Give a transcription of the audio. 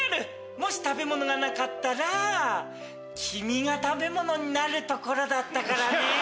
もし食べ物がなかったら君が食べ物になるところだったからね。